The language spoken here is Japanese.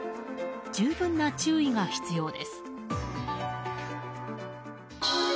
十分な注意が必要です。